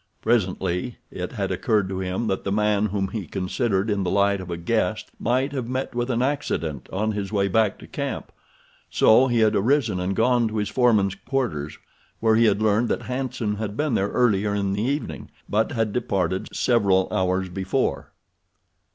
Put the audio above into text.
Presently it had occurred to him that the man whom he considered in the light of a guest might have met with an accident on his way back to camp, so he had arisen and gone to his foreman's quarters where he had learned that Hanson had been there earlier in the evening but had departed several hours before.